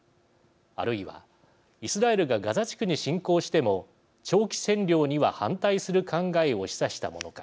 あるいはイスラエルがガザ地区に侵攻しても長期占領には反対する考えを示唆したものか。